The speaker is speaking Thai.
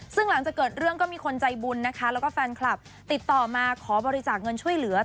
ซึ่งหลังจากเกิดเรื่องก็มีคนใจบุญนะคะแล้วก็แฟนคลับติดต่อมาขอบริจาคเงินช่วยเหลือ